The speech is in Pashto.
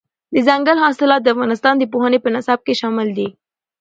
دځنګل حاصلات د افغانستان د پوهنې په نصاب کې شامل دي.